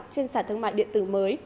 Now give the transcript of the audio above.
trên sản thương mại điện tử mới